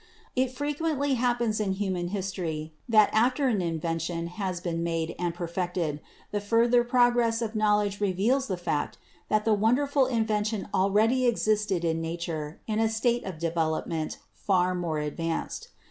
It frequently happens in human history that after an invention has been made and perfected, the further prog ress of knowledge reveals the fact that the wonderful in vention already existed in Nature in a state of develop ment far more advanced.